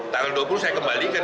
tanggal dua puluh saya kembalikan